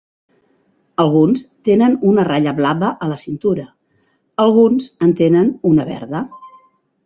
Alguns tenen una ratlla blava a la cintura, alguns en tenen una verda.